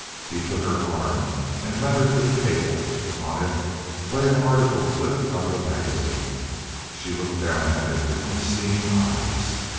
He took her arm and led her to the table. On it lay an article clipped out of a magazine. She looked down at it with unseeing eyes.